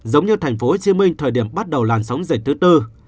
giống như tp hcm thời điểm bắt đầu làn sóng dịch thứ tư